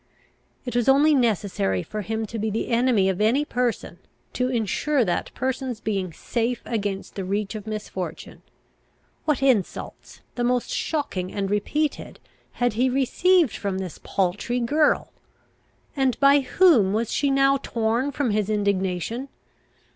It was only necessary for him to be the enemy of any person, to insure that person's being safe against the reach of misfortune. What insults, the most shocking and repeated, had he received from this paltry girl! And by whom was she now torn from his indignation?